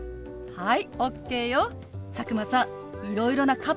はい！